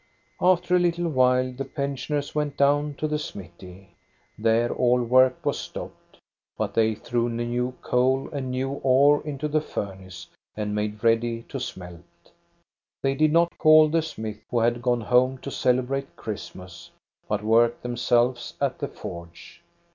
After a little while the pensioners went down to the smithy. There all work was stopped ; but they threw new coal and new ore into the furnace, and made ready to smelt. They did not call the smith, who had gone home to celebrate Christmas, but worked themselves at the forge.